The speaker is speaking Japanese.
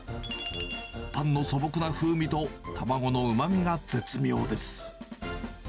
パンの素朴な風味と卵のうまみが絶妙です。